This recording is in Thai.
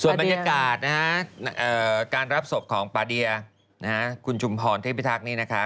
ส่วนบรรยากาศนะครับการรับศพของปาเดียคุณจุมพรที่ไปทักนี้นะคะ